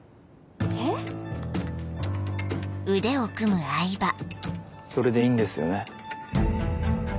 えっ⁉それでいいんですよね？